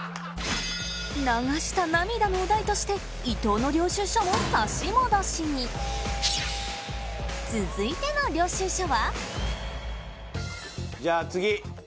流した涙のお代として伊藤の領収書も続いての領収書はじゃあ次。